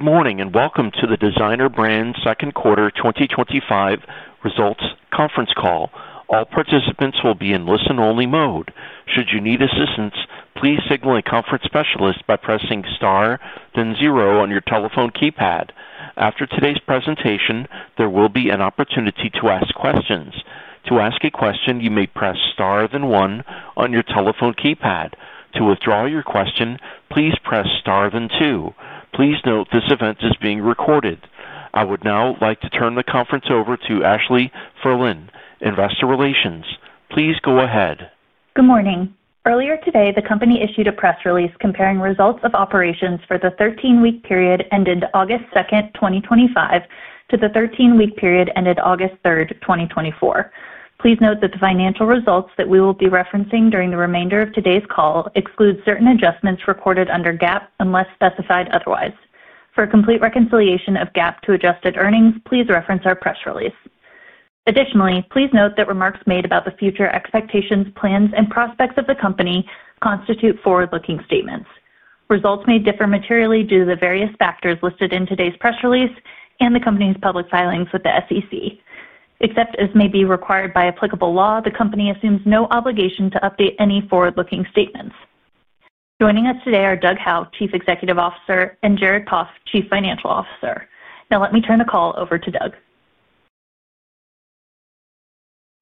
Morning and welcome to the Designer Brands Inc. Second Quarter 2025 Results Conference Call. All participants will be in listen-only mode. Should you need assistance, please signal a conference specialist by pressing star, then zero on your telephone keypad. After today's presentation, there will be an opportunity to ask questions. To ask a question, you may press star, then one on your telephone keypad. To withdraw your question, please press star, then two. Please note this event is being recorded. I would now like to turn the conference over to Ashley Furlan, Investor Relations. Please go ahead. Good morning. Earlier today, the company issued a press release comparing results of operations for the 13-week period ending August 2, 2025, to the 13-week period ending August 3, 2024. Please note that the financial results that we will be referencing during the remainder of today's call exclude certain adjustments recorded under GAAP unless specified otherwise. For complete reconciliation of GAAP to adjusted earnings, please reference our press release. Additionally, please note that remarks made about the future expectations, plans, and prospects of the company constitute forward-looking statements. Results may differ materially due to the various factors listed in today's press release and the company's public filings with the SEC. Except as may be required by applicable law, the company assumes no obligation to update any forward-looking statements. Joining us today are Doug Howe, Chief Executive Officer, and Jared Poff, Chief Financial Officer. Now let me turn the call over to Doug.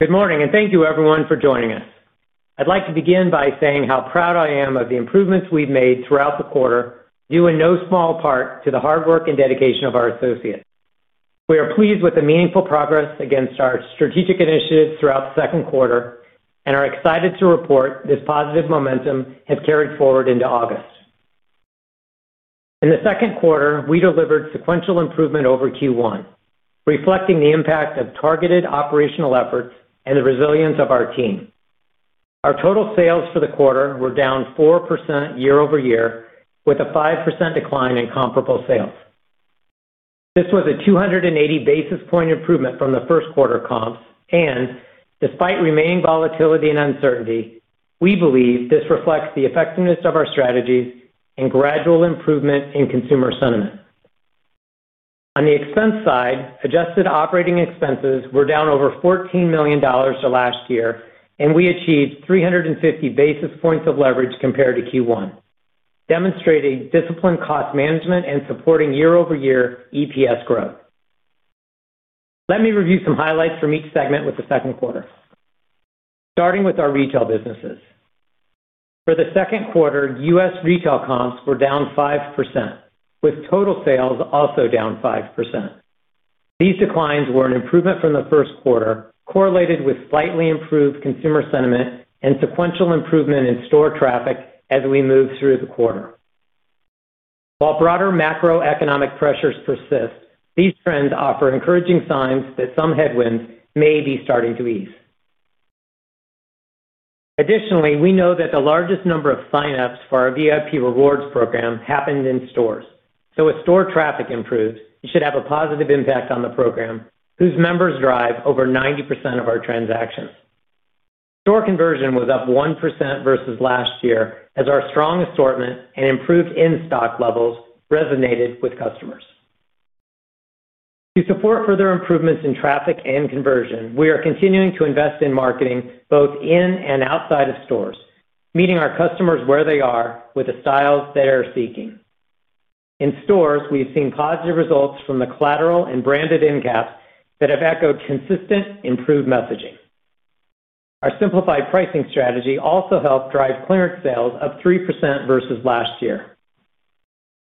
Good morning and thank you everyone for joining us. I'd like to begin by saying how proud I am of the improvements we've made throughout the quarter, due in no small part to the hard work and dedication of our associates. We are pleased with the meaningful progress against our strategic initiatives throughout the second quarter and are excited to report this positive momentum has carried forward into August. In the second quarter, we delivered sequential improvement over Q1, reflecting the impact of targeted operational efforts and the resilience of our team. Our total sales for the quarter were down 4% year over year, with a 5% decline in comparable sales. This was a 280 basis point improvement from the first quarter comps, and despite remaining volatility and uncertainty, we believe this reflects the effectiveness of our strategies and gradual improvement in consumer sentiment. On the expense side, adjusted operating expenses were down over $14 million last year, and we achieved 350 basis points of leverage compared to Q1, demonstrating disciplined cost management and supporting year-over-year EPS growth. Let me review some highlights from each segment with the second quarter. Starting with our retail businesses. For the second quarter, U.S. retail comps were down 5%, with total sales also down 5%. These declines were an improvement from the first quarter, correlated with slightly improved consumer sentiment and sequential improvement in store traffic as we move through the quarter. While broader macroeconomic pressures persist, these trends offer encouraging signs that some headwinds may be starting to ease. Additionally, we know that the largest number of signups for our VIP rewards program happened in stores. As store traffic improves, it should have a positive impact on the program, whose members drive over 90% of our transactions. Store conversion was up 1% versus last year, as our strong assortment and improved in-stock levels resonated with customers. To support further improvements in traffic and conversion, we are continuing to invest in marketing both in and outside of stores, meeting our customers where they are, with the styles they are seeking. In stores, we've seen positive results from the collateral and branded in-caps that have echoed consistent improved messaging. Our simplified pricing strategy also helped drive clearance sales up 3% versus last year.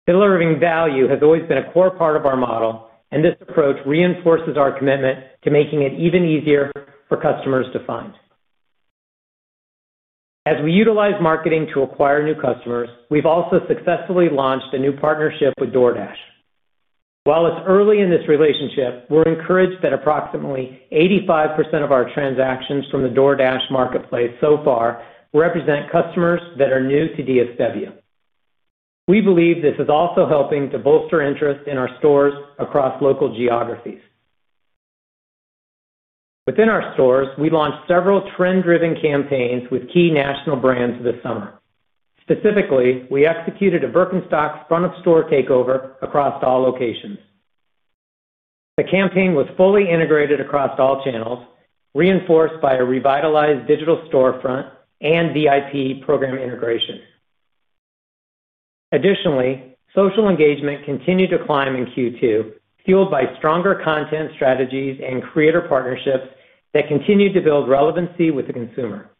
Delivering value has always been a core part of our model, and this approach reinforces our commitment to making it even easier for customers to find. As we utilize marketing to acquire new customers, we've also successfully launched a new partnership with DoorDash. While it's early in this relationship, we're encouraged that approximately 85% of our transactions from the DoorDash marketplace so far represent customers that are new to DSW. We believe this is also helping to bolster interest in our stores across local geographies. Within our stores, we launched several trend-driven campaigns with key national brands this summer. Specifically, we executed a Birkenstock front-of-store takeover across all locations. The campaign was fully integrated across all channels, reinforced by a revitalized digital storefront and VIP program integration. Additionally, social engagement continued to climb in Q2, fueled by stronger content strategies and creator partnerships that continue to build relevancy with the consumer.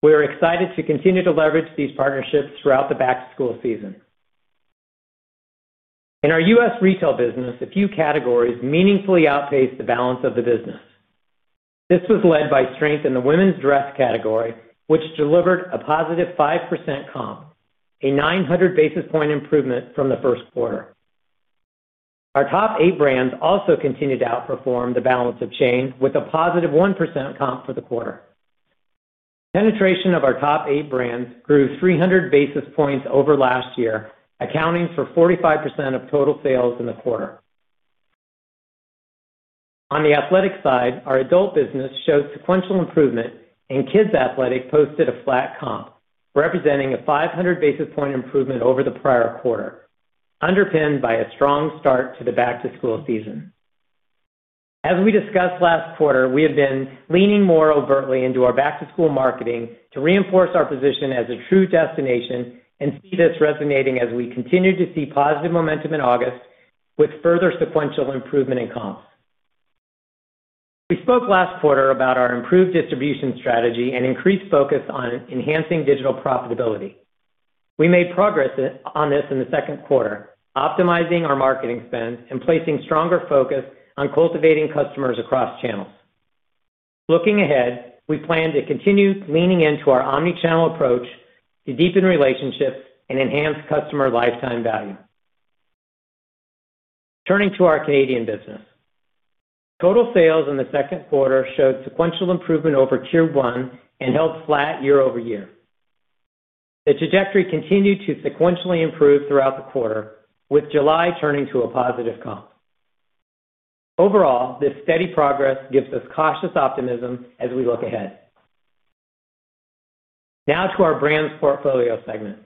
We are excited to continue to leverage these partnerships throughout the back-to-school season. In our U.S. retail business, a few categories meaningfully outpaced the balance of the business. This was led by strength in the women's dress category, which delivered a positive 5% comp, a 900 basis point improvement from the first quarter. Our top eight brands also continued to outperform the balance of chain with a positive 1% comp for the quarter. Penetration of our top eight brands grew 300 basis points over last year, accounting for 45% of total sales in the quarter. On the athletic side, our adult business showed sequential improvement, and Kids Athletic posted a flat comp, representing a 500 basis point improvement over the prior quarter, underpinned by a strong start to the back-to-school season. As we discussed last quarter, we have been leaning more overtly into our back-to-school marketing to reinforce our position as a true destination and see this resonating as we continue to see positive momentum in August, with further sequential improvement in comps. We spoke last quarter about our improved distribution strategy and increased focus on enhancing digital profitability. We made progress on this in the second quarter, optimizing our marketing spend and placing stronger focus on cultivating customers across channels. Looking ahead, we plan to continue leaning into our omnichannel approach to deepen relationships and enhance customer lifetime value. Turning to our Canadian business, total sales in the second quarter showed sequential improvement over Q1 and held flat year over year. The trajectory continued to sequentially improve throughout the quarter, with July turning to a positive comp. Overall, this steady progress gives us cautious optimism as we look ahead. Now to our brands portfolio segment.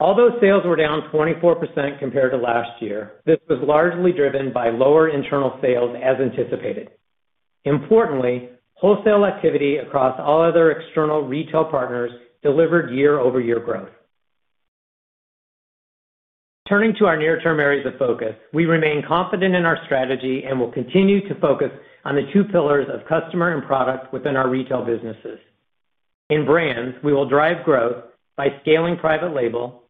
Although sales were down 24% compared to last year, this was largely driven by lower internal sales as anticipated. Importantly, wholesale activity across all other external retail partners delivered year-over-year growth. Turning to our near-term areas of focus, we remain confident in our strategy and will continue to focus on the two pillars of customer and product within our retail businesses. In brands, we will drive growth by scaling private label,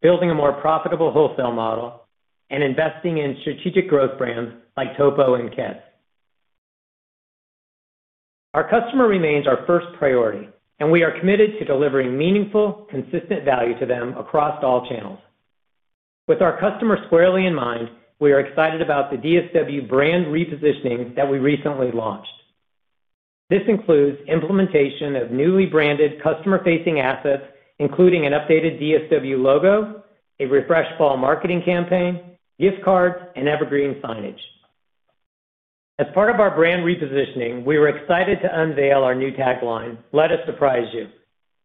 building a more profitable wholesale model, and investing in strategic growth brands like Topo Athletic and Keds. Our customer remains our first priority, and we are committed to delivering meaningful, consistent value to them across all channels. With our customer squarely in mind, we are excited about the DSW brand repositioning that we recently launched. This includes implementation of newly branded customer-facing assets, including an updated DSW logo, a refreshed fall marketing campaign, gift cards, and evergreen signage. As part of our brand repositioning, we were excited to unveil our new tagline, "Let Us Surprise You."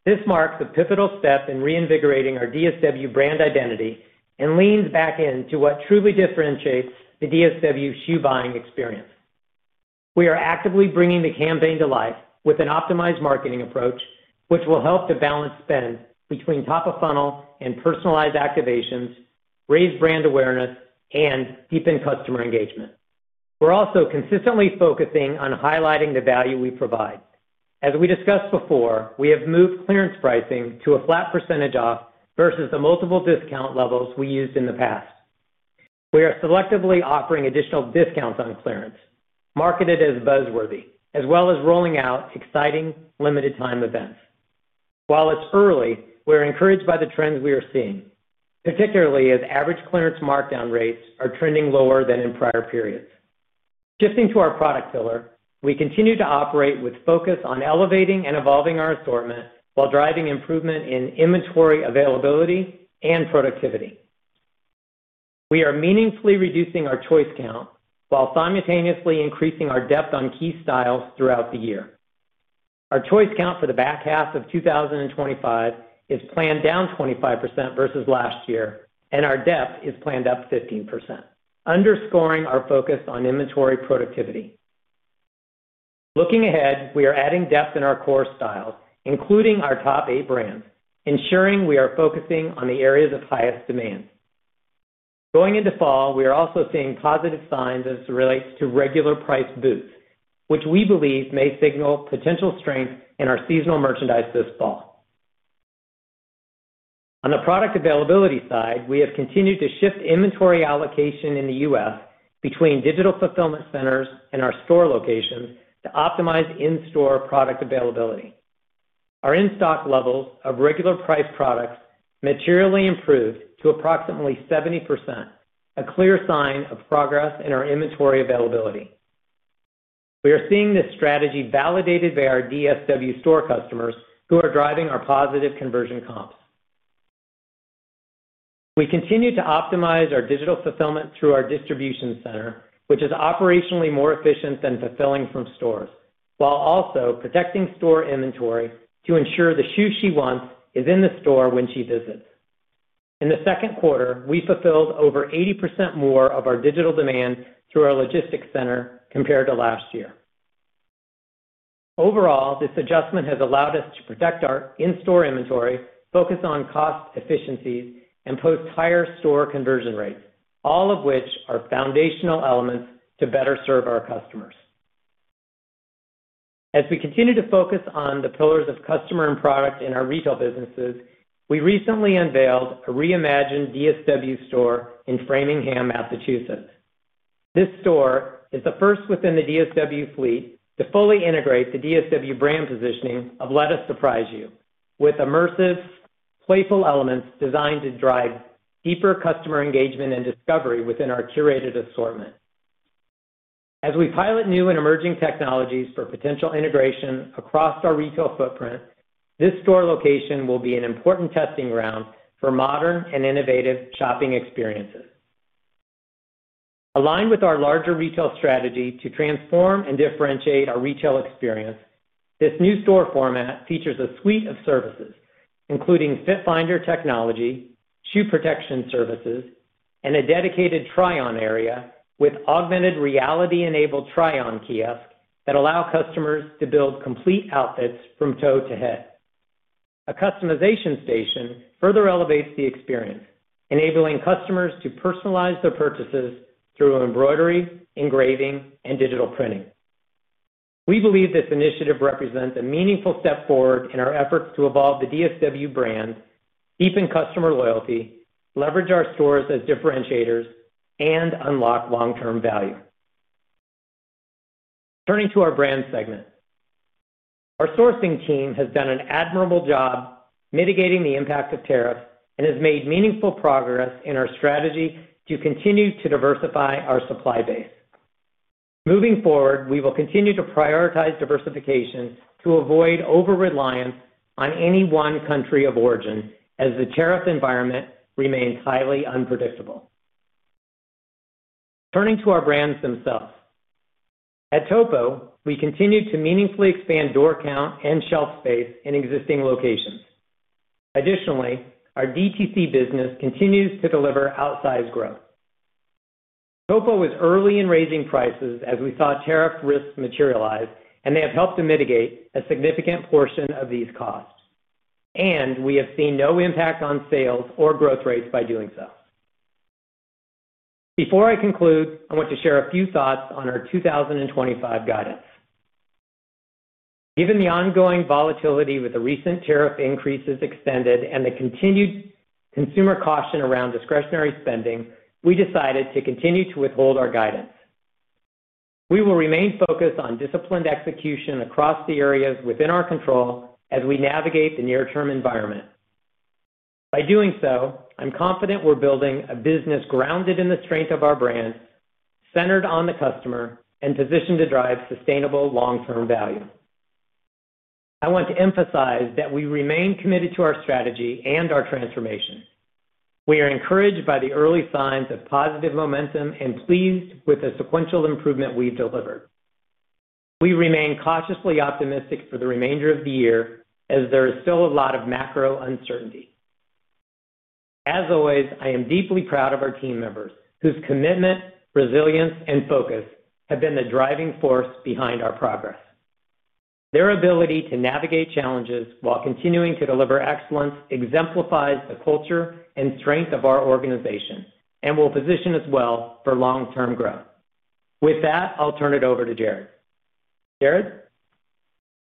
This marks a pivotal step in reinvigorating our DSW brand identity and leans back into what truly differentiates the DSW shoe buying experience. We are actively bringing the campaign to life with an optimized marketing approach, which will help to balance spend between top-of-funnel and personalized activations, raise brand awareness, and deepen customer engagement. We're also consistently focusing on highlighting the value we provide. As we discussed before, we have moved clearance pricing to a flat % off versus the multiple discount levels we used in the past. We are selectively offering additional discounts on clearance, marketed as buzzworthy, as well as rolling out exciting limited-time events. While it's early, we're encouraged by the trends we are seeing, particularly as average clearance markdown rates are trending lower than in prior periods. Shifting to our product pillar, we continue to operate with focus on elevating and evolving our assortment while driving improvement in inventory availability and productivity. We are meaningfully reducing our choice count while simultaneously increasing our depth on key styles throughout the year. Our choice count for the back half of 2025 is planned down 25% versus last year, and our depth is planned up 15%, underscoring our focus on inventory productivity. Looking ahead, we are adding depth in our core styles, including our top eight brands, ensuring we are focusing on the areas of highest demand. Going into fall, we are also seeing positive signs as it relates to regular price boosts, which we believe may signal potential strength in our seasonal merchandise this fall. On the product availability side, we have continued to shift inventory allocation in the U.S. between digital fulfillment centers and our store locations to optimize in-store product availability. Our in-stock levels of regular priced products materially improved to approximately 70%, a clear sign of progress in our inventory availability. We are seeing this strategy validated by our DSW store customers, who are driving our positive conversion comps. We continue to optimize our digital fulfillment through our distribution center, which is operationally more efficient than fulfilling from stores, while also protecting store inventory to ensure the shoe she wants is in the store when she visits. In the second quarter, we fulfilled over 80% more of our digital demand through our logistics center compared to last year. Overall, this adjustment has allowed us to protect our in-store inventory, focus on cost efficiencies, and post higher store conversion rates, all of which are foundational elements to better serve our customers. As we continue to focus on the pillars of customer and product in our retail businesses, we recently unveiled a reimagined DSW store in Framingham, Massachusetts. This store is the first within the DSW fleet to fully integrate the DSW brand positioning of "Let Us Surprise You," with immersive, playful elements designed to drive deeper customer engagement and discovery within our curated assortment. As we pilot new and emerging technologies for potential integration across our retail footprint, this store location will be an important testing ground for modern and innovative shopping experiences. Aligned with our larger retail strategy to transform and differentiate our retail experience, this new store format features a suite of services, including Fitfinder technology, shoe protection services, and a dedicated try-on area with augmented reality-enabled try-on kiosks that allow customers to build complete outfits from toe to head. A customization station further elevates the experience, enabling customers to personalize their purchases through embroidery, engraving, and digital printing. We believe this initiative represents a meaningful step forward in our efforts to evolve the DSW brand, deepen customer loyalty, leverage our stores as differentiators, and unlock long-term value. Turning to our brand segment, our sourcing team has done an admirable job mitigating the impact of tariffs and has made meaningful progress in our strategy to continue to diversify our supply base. Moving forward, we will continue to prioritize diversification to avoid over-reliance on any one country of origin, as the tariff environment remains highly unpredictable. Turning to our brands themselves, at Topo, we continue to meaningfully expand door count and shelf space in existing locations. Additionally, our DTC business continues to deliver outsized growth. Topo was early in raising prices as we saw tariff risks materialize, and they have helped to mitigate a significant portion of these costs. We have seen no impact on sales or growth rates by doing so. Before I conclude, I want to share a few thoughts on our 2025 guidance. Given the ongoing volatility with the recent tariff increases extended and the continued consumer caution around discretionary spending, we decided to continue to withhold our guidance. We will remain focused on disciplined execution across the areas within our control as we navigate the near-term environment. By doing so, I'm confident we're building a business grounded in the strength of our brand, centered on the customer, and positioned to drive sustainable long-term value. I want to emphasize that we remain committed to our strategy and our transformation. We are encouraged by the early signs of positive momentum and pleased with the sequential improvement we've delivered. We remain cautiously optimistic for the remainder of the year, as there is still a lot of macro uncertainty. As always, I am deeply proud of our team members, whose commitment, resilience, and focus have been the driving force behind our progress. Their ability to navigate challenges while continuing to deliver excellence exemplifies the culture and strength of our organization and will position us well for long-term growth. With that, I'll turn it over to Jared. Jared?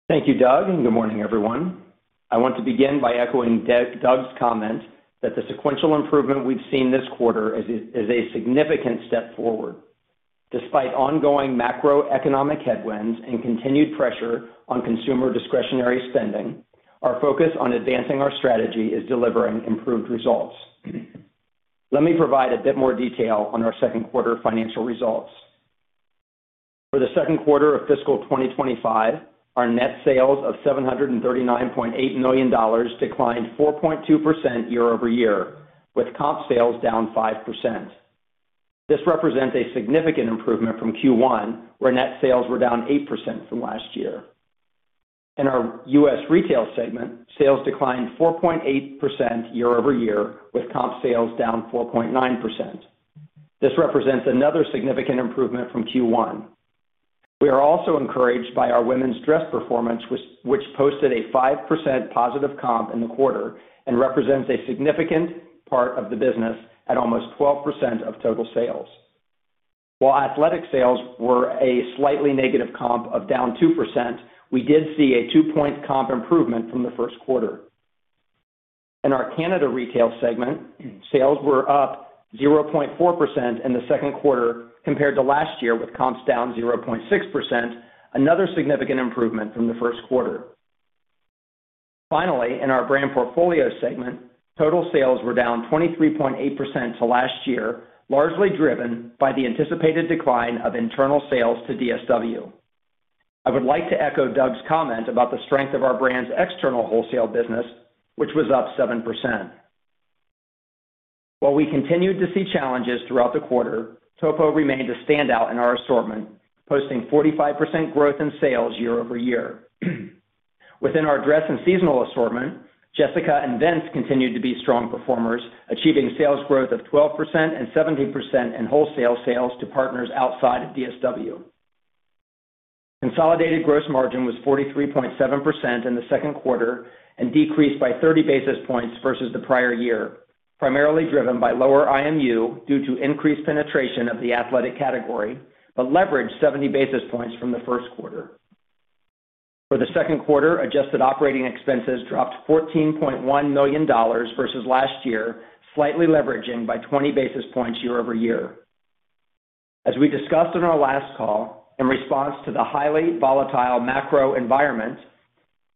Thank you, Doug, and good morning, everyone. I want to begin by echoing Doug's comment that the sequential improvement we've seen this quarter is a significant step forward. Despite ongoing macroeconomic headwinds and continued pressure on consumer discretionary spending, our focus on advancing our strategy is delivering improved results. Let me provide a bit more detail on our second quarter financial results. For the second quarter of fiscal 2025, our net sales of $739.8 million declined 4.2% year over year, with comp sales down 5%. This represents a significant improvement from Q1, where net sales were down 8% from last year. In our U.S. retail segment, sales declined 4.8% year over year, with comp sales down 4.9%. This represents another significant improvement from Q1. We are also encouraged by our women's dress performance, which posted a 5% positive comp in the quarter and represents a significant part of the business at almost 12% of total sales. While athletic sales were a slightly negative comp of down 2%, we did see a two-point comp improvement from the first quarter. In our Canada retail segment, sales were up 0.4% in the second quarter compared to last year, with comps down 0.6%, another significant improvement from the first quarter. Finally, in our brand portfolio segment, total sales were down 23.8% to last year, largely driven by the anticipated decline of internal sales to DSW. I would like to echo Doug's comment about the strength of our brand's external wholesale business, which was up 7%. While we continued to see challenges throughout the quarter, Topo Athletic remained a standout in our assortment, posting 45% growth in sales year over year. Within our dress and seasonal assortment, Jessica Simpson and Vince Camuto continued to be strong performers, achieving sales growth of 12% and 17% in wholesale sales to partners outside of DSW. Consolidated gross margin was 43.7% in the second quarter and decreased by 30 basis points versus the prior year, primarily driven by lower IMU due to increased penetration of the athletic category, but leveraged 70 basis points from the first quarter. For the second quarter, adjusted operating expenses dropped $14.1 million versus last year, slightly leveraging by 20 basis points year over year. As we discussed in our last call, in response to the highly volatile macro environment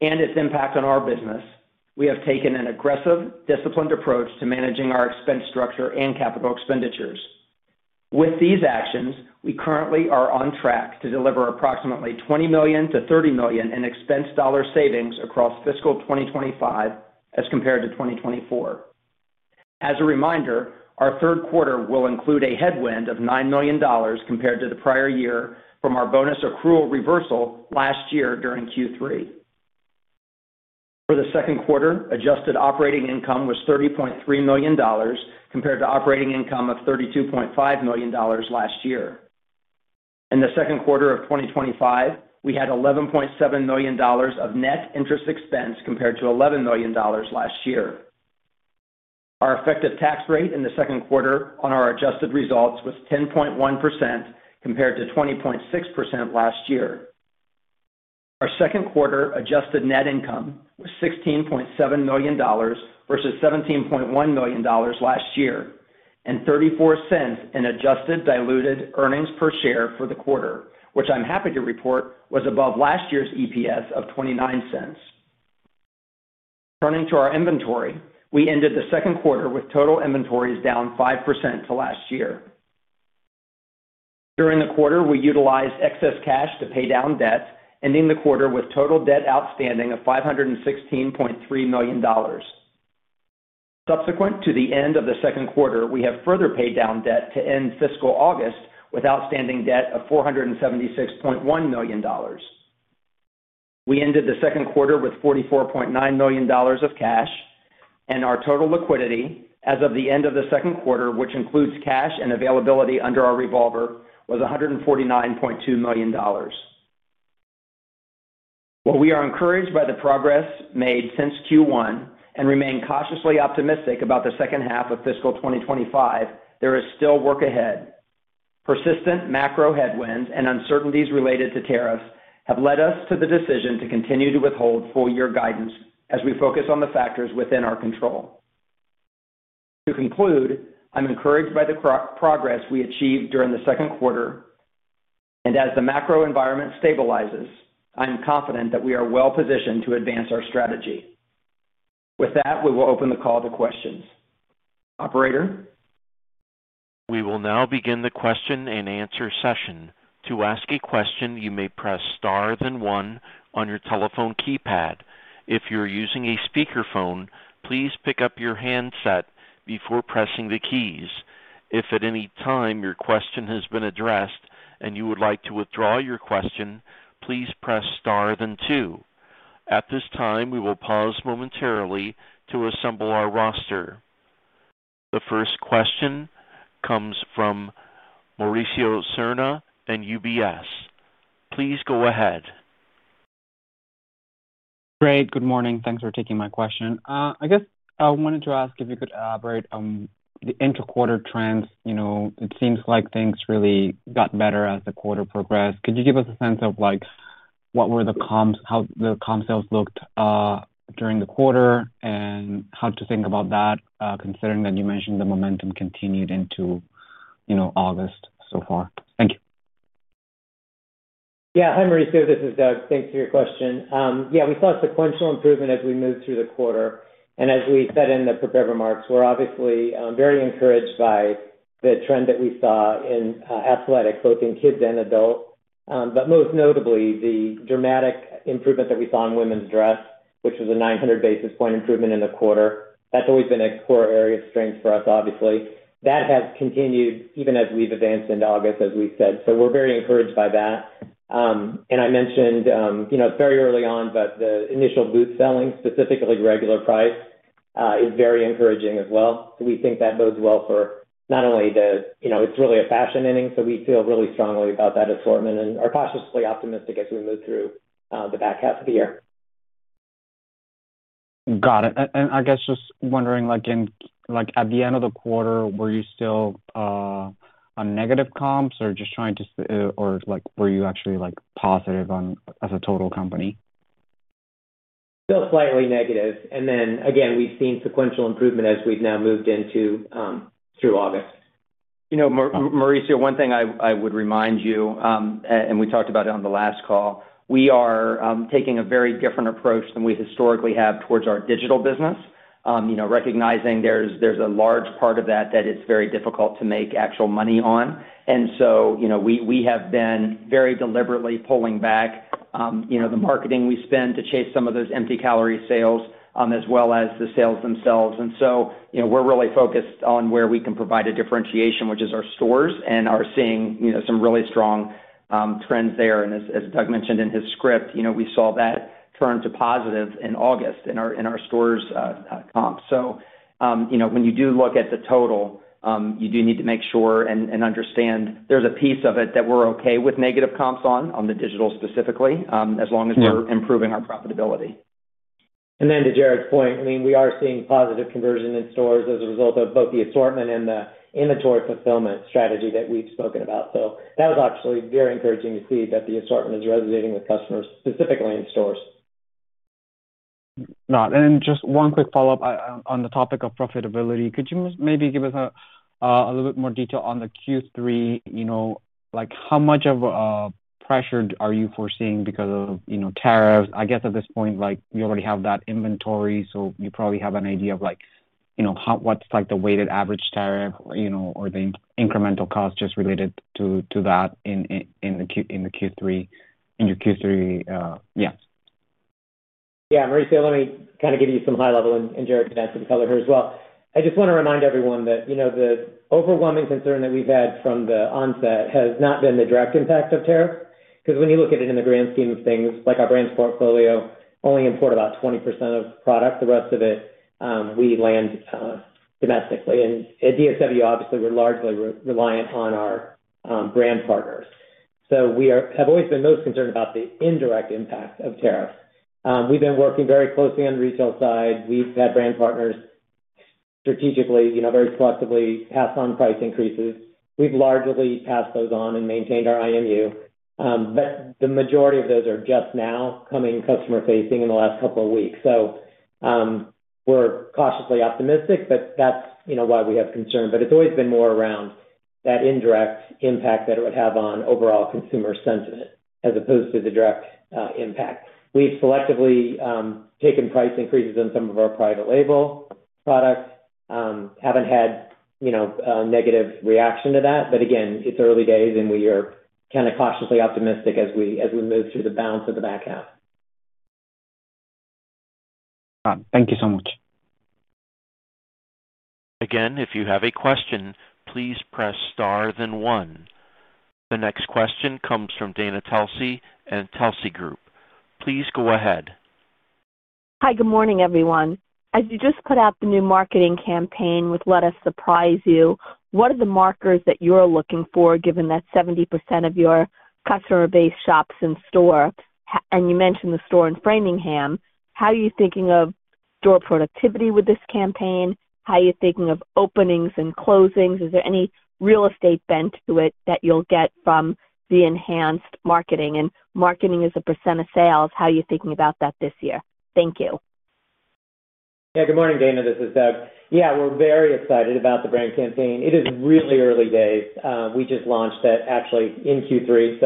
and its impact on our business, we have taken an aggressive, disciplined approach to managing our expense structure and capital expenditures. With these actions, we currently are on track to deliver approximately $20 million to $30 million in expense dollar savings across fiscal 2025 as compared to 2024. As a reminder, our third quarter will include a headwind of $9 million compared to the prior year from our bonus accrual reversal last year during Q3. For the second quarter, adjusted operating income was $30.3 million compared to operating income of $32.5 million last year. In the second quarter of 2025, we had $11.7 million of net interest expense compared to $11 million last year. Our effective tax rate in the second quarter on our adjusted results was 10.1% compared to 20.6% last year. Our second quarter adjusted net income was $16.7 million versus $17.1 million last year, and $0.34 in adjusted diluted earnings per share for the quarter, which I'm happy to report was above last year's EPS of $0.29. Turning to our inventory, we ended the second quarter with total inventories down 5% to last year. During the quarter, we utilized excess cash to pay down debts, ending the quarter with total debt outstanding of $516.3 million. Subsequent to the end of the second quarter, we have further paid down debt to end fiscal August with outstanding debt of $476.1 million. We ended the second quarter with $44.9 million of cash, and our total liquidity as of the end of the second quarter, which includes cash and availability under our revolver, was $149.2 million. While we are encouraged by the progress made since Q1 and remain cautiously optimistic about the second half of fiscal 2025, there is still work ahead. Persistent macroeconomic headwinds and uncertainties related to tariffs have led us to the decision to continue to withhold full-year guidance as we focus on the factors within our control. To conclude, I'm encouraged by the progress we achieved during the second quarter, and as the macro environment stabilizes, I am confident that we are well positioned to advance our strategy. With that, we will open the call to questions. Operator? We will now begin the question and answer session. To ask a question, you may press star then one on your telephone keypad. If you're using a speakerphone, please pick up your handset before pressing the keys. If at any time your question has been addressed and you would like to withdraw your question, please press star then two. At this time, we will pause momentarily to assemble our roster. The first question comes from Mauricio Serna and UBS. Please go ahead. Great. Good morning. Thanks for taking my question. I guess I wanted to ask if you could elaborate on the interquarter trends. It seems like things really got better as the quarter progressed. Could you give us a sense of what were the comps, how the comp sales looked during the quarter, and how to think about that, considering that you mentioned the momentum continued into August so far? Thank you. Yeah. Hi, Mauricio. This is Doug. Thanks for your question. Yeah, we saw a sequential improvement as we moved through the quarter. As we said in the prepared remarks, we're obviously very encouraged by the trend that we saw in athletics, both in kids and adults. Most notably, the dramatic improvement that we saw in women's dress, which was a 900 basis point improvement in the quarter, that's always been an explorer area of strength for us, obviously. That has continued even as we've advanced in August, as we said. We're very encouraged by that. I mentioned very early on that the initial boot selling, specifically regular price, is very encouraging as well. We think that bodes well for not only the, you know, it's really a fashion inning, so we feel really strongly about that assortment and are cautiously optimistic as we move through the back half of the year. Got it. I guess just wondering, at the end of the quarter, were you still on negative comps, or were you actually positive as a total company? Still slightly negative, we've seen sequential improvement as we've now moved through August. Mauricio, one thing I would remind you, and we talked about it on the last call, we are taking a very different approach than we historically have towards our digital business, recognizing there's a large part of that that it's very difficult to make actual money on. We have been very deliberately pulling back the marketing we spend to chase some of those empty calorie sales as well as the sales themselves. We're really focused on where we can provide a differentiation, which is our stores, and are seeing some really strong trends there. As Doug mentioned in his script, we saw that turn to positive in August in our stores' comps. When you do look at the total, you do need to make sure and understand there's a piece of it that we're okay with negative comps on, on the digital specifically, as long as we're improving our profitability. To Jared's point, we are seeing positive conversion in stores as a result of both the assortment and the inventory fulfillment strategy that we've spoken about. That was actually very encouraging to see that the assortment is resonating with customers specifically in stores. Just one quick follow-up on the topic of profitability. Could you maybe give us a little bit more detail on Q3, like how much of a pressure are you foreseeing because of tariffs? I guess at this point, you already have that inventory, so you probably have an idea of what's the weighted average tariff or the incremental cost just related to that in Q3, in your Q3, yes. Yeah, Mauricio, let me kind of give you some high level, and Jared can answer the color here as well. I just want to remind everyone that, you know, the overwhelming concern that we've had from the onset has not been the direct impact of tariff. Because when you look at it in the grand scheme of things, like our brand's portfolio, only import about 20% of product. The rest of it, we land domestically. At DSW, obviously, we're largely reliant on our brand partners. We have always been most concerned about the indirect impact of tariff. We've been working very closely on the retail side. We've had brand partners strategically, you know, very selectively pass on price increases. We've largely passed those on and maintained our IMU. The majority of those are just now coming customer-facing in the last couple of weeks. We're cautiously optimistic, but that's, you know, why we have concern. It's always been more around that indirect impact that it would have on overall consumer sentiment as opposed to the direct impact. We've selectively taken price increases in some of our private label products. Haven't had, you know, a negative reaction to that. Again, it's early days and we are kind of cautiously optimistic as we move through the balance of the back half. Thank you so much. Again, if you have a question, please press star then one. The next question comes from Dana Tulsey at Tulsey Group. Please go ahead. Hi, good morning, everyone. As you just put out the new marketing campaign with "Let Us Surprise You," what are the markers that you're looking for given that 70% of your customer base shops in store? You mentioned the store in Framingham, Massachusetts. How are you thinking of store productivity with this campaign? How are you thinking of openings and closings? Is there any real estate bent to it that you'll get from the enhanced marketing? Marketing is a percent of sales. How are you thinking about that this year? Thank you. Yeah, good morning, Dana. This is Doug. Yeah, we're very excited about the brand campaign. It is really early days. We just launched that actually in Q3.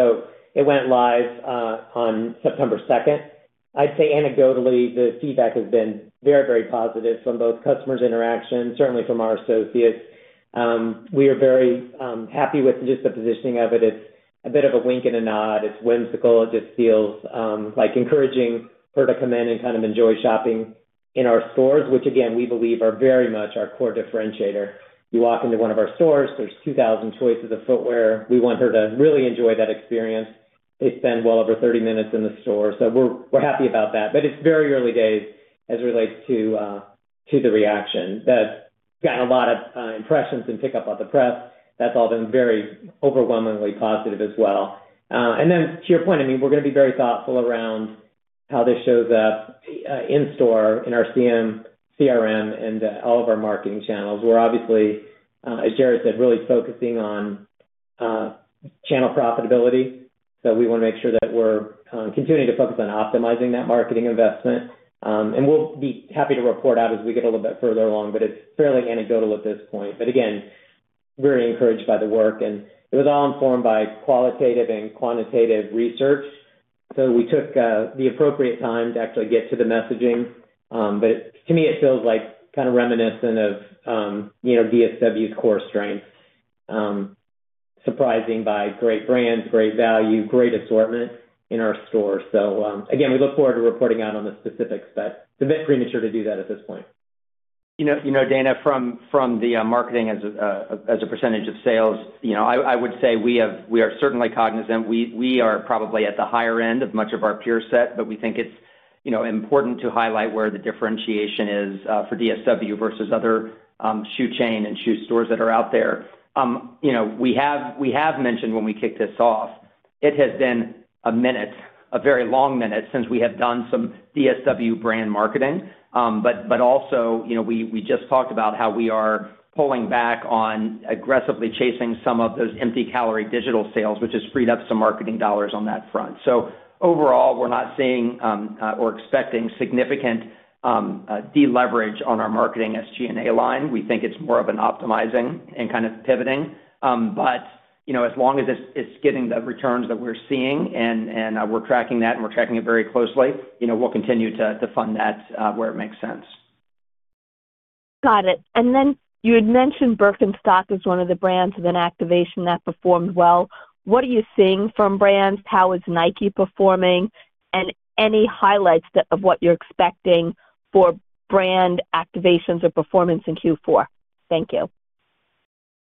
It went live on September 2. I'd say anecdotally, the feedback has been very, very positive from both customers' interactions, certainly from our associates. We are very happy with just the positioning of it. It's a bit of a wink and a nod. It's whimsical. It just feels like encouraging her to come in and kind of enjoy shopping in our stores, which again, we believe are very much our core differentiator. You walk into one of our stores, there's 2,000 choices of footwear. We want her to really enjoy that experience. They spend well over 30 minutes in the store. We're happy about that. It's very early days as it relates to the reaction. That's gotten a lot of impressions and pickup on the prep. That's all been very overwhelmingly positive as well. To your point, I mean, we're going to be very thoughtful around how this shows up in-store in our CRM and all of our marketing channels. We're obviously, as Jared said, really focusing on channel profitability. We want to make sure that we're continuing to focus on optimizing that marketing investment. We'll be happy to report out as we get a little bit further along, but it's fairly anecdotal at this point. Again, very encouraged by the work. It was all informed by qualitative and quantitative research. We took the appropriate time to actually get to the messaging. To me, it feels kind of reminiscent of, you know, DSW's core strength. Surprising by great brands, great value, great assortment in our stores. We look forward to reporting out on the specifics, but a bit premature to do that at this point. You know, Dana, from the marketing as a % of sales, I would say we are certainly cognizant. We are probably at the higher end of much of our peer set, but we think it's important to highlight where the differentiation is for DSW versus other shoe chains and shoe stores that are out there. We have mentioned when we kicked this off, it has been a minute, a very long minute since we have done some DSW brand marketing. Also, we just talked about how we are pulling back on aggressively chasing some of those empty calorie digital sales, which has freed up some marketing dollars on that front. Overall, we're not seeing or expecting significant deleverage on our marketing SG&A line. We think it's more of an optimizing and kind of pivoting. As long as it's getting the returns that we're seeing and we're tracking that and we're tracking it very closely, we'll continue to fund that where it makes sense. Got it. You had mentioned Birkenstock is one of the brands with an activation that performed well. What are you seeing from brands? How is Nike performing? Any highlights of what you're expecting for brand activations or performance in Q4? Thank you.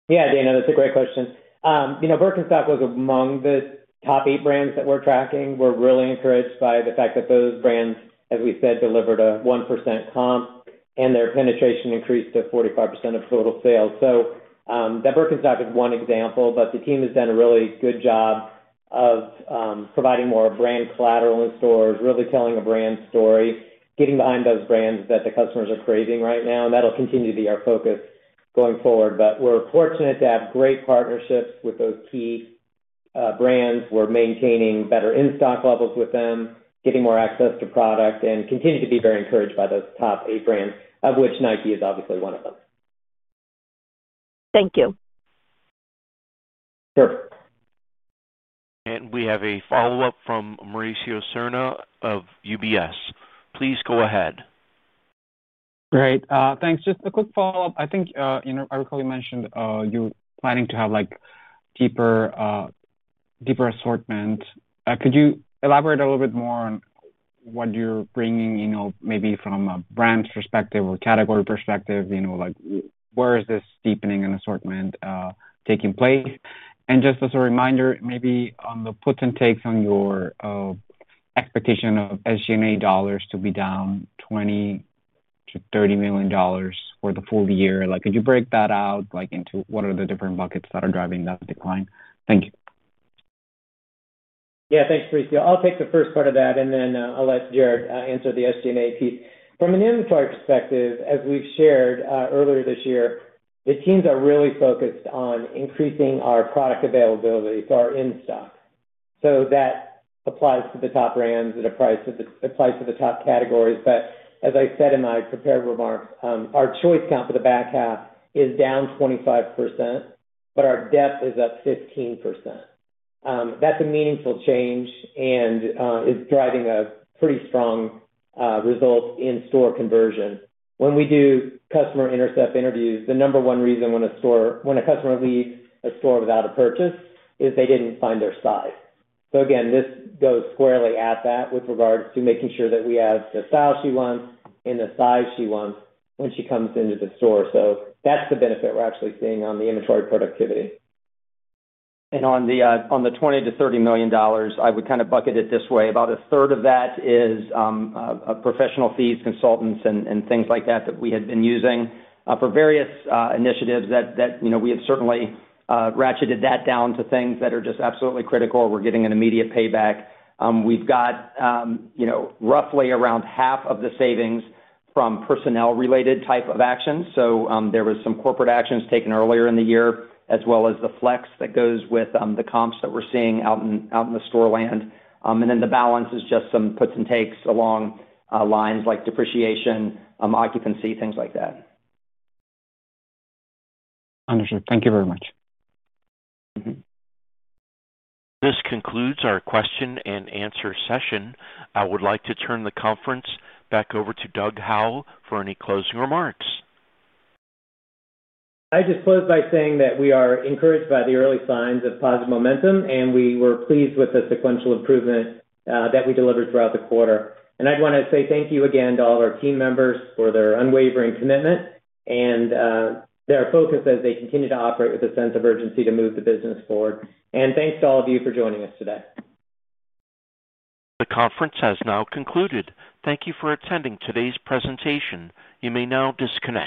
Yeah, Dana, that's a great question. You know, Birkenstock was among the top eight brands that we're tracking. We're really encouraged by the fact that those brands, as we said, delivered a 1% comp and their penetration increased to 45% of total sales. Birkenstock is one example, but the team has done a really good job of providing more brand collateral in stores, really telling a brand story, getting behind those brands that the customers are craving right now. That'll continue to be our focus going forward. We're fortunate to have great partnerships with those key brands. We're maintaining better in-stock levels with them, getting more access to product, and continue to be very encouraged by those top eight brands, of which Nike is obviously one of them. Thank you. Sure. We have a follow-up from Mauricio Serna of UBS. Please go ahead. Great. Thanks. Just a quick follow-up. I think, you know, I recall you mentioned you're planning to have like deeper assortment. Could you elaborate a little bit more on what you're bringing, you know, maybe from a brand's perspective or category perspective? You know, like where is this deepening in assortment taking place? Just as a reminder, maybe on the puts and takes on your expectation of SG&A dollars to be down $20 to $30 million for the full year. Could you break that out into what are the different buckets that are driving that decline? Thank you. Yeah, thanks, Mauricio. I'll take the first part of that and then I'll let Jared answer the SG&A piece. From an inventory perspective, as we've shared earlier this year, the teams are really focused on increasing our product availability, so our in-stock. That applies to the top brands, it applies to the top categories. As I said in my prepared remarks, our choice count for the back half is down 25%, but our depth is up 15%. That's a meaningful change and is driving a pretty strong result in store conversion. When we do customer intercept interviews, the number one reason when a customer leaves a store without a purchase is they didn't find their size. This goes squarely at that with regards to making sure that we have the style she wants and the size she wants when she comes into the store. That's the benefit we're actually seeing on the inventory productivity. On the $20 to $30 million, I would kind of bucket it this way. About a third of that is professional fees, consultants, and things like that that we had been using for various initiatives that, you know, we have certainly ratcheted that down to things that are just absolutely critical. We're getting an immediate payback. We've got roughly around half of the savings from personnel-related type of actions. There were some corporate actions taken earlier in the year, as well as the flex that goes with the comps that we're seeing out in the store land. The balance is just some puts and takes along lines like depreciation, occupancy, things like that. Understood. Thank you very much. This concludes our question and answer session. I would like to turn the conference back over to Doug Howe for any closing remarks. I just closed by saying that we are encouraged by the early signs of positive momentum, and we were pleased with the sequential improvement that we delivered throughout the quarter. I want to say thank you again to all of our team members for their unwavering commitment and their focus as they continue to operate with a sense of urgency to move the business forward. Thank you to all of you for joining us today. The conference has now concluded. Thank you for attending today's presentation. You may now disconnect.